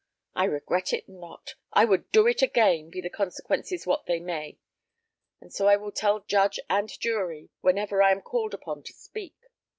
I regret it not; I would do it again, be the consequences what they may; and so I will tell judge and jury whenever I am called upon to speak."